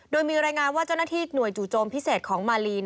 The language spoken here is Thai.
โดยมีรายงานว่าเจ้าหน้าที่หน่วยจู่โจมพิเศษของมาลี